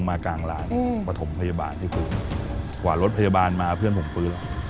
มากลางร้านประถมพยาบาลที่ฟื้นกว่ารถพยาบาลมาเพื่อนผมฟื้น